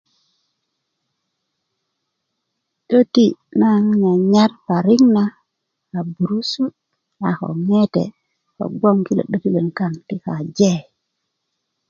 'deti naŋ n nyanyar parik na a burukusut a ko ŋete' kogwoŋ kilo a 'detilön kaŋ ti kaje